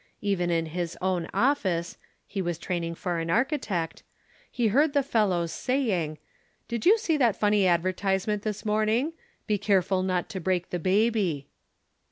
Even in his own office (he was training for an architect), he heard the fellows saying, "Did you see that funny advertisement this morning 'Be careful not to break the baby.'"